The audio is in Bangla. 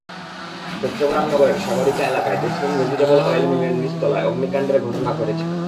চট্টগ্রাম নগরের সাগরিকা এলাকায় জেসমিন ভেজিটেবল অয়েল মিলের নিচতলায় অগ্নিকাণ্ডের ঘটনা ঘটেছে।